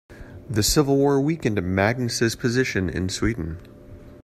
The civil war weakened Magnus's position in Sweden.